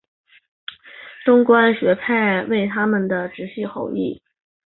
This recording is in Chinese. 中观学派为他们的直系后裔。